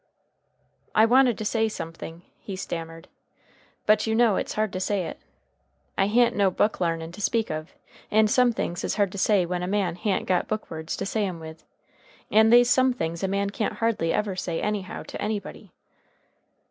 "I wanted to say something," he stammered, "but you know it's hard to say it. I ha'n't no book larnin to speak of, and some things is hard to say when a man ha'n't got book words to say 'em with. And they's some things a man can't hardly ever say anyhow to anybody."